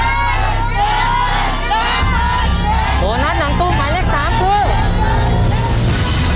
โบนัสหลังตู้หมายเลข๓คือ